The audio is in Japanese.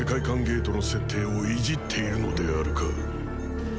間ゲートの設定をいじっているのであるか？